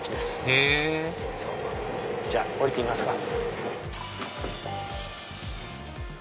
へぇじゃあ降りてみますか。